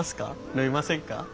飲みませんか？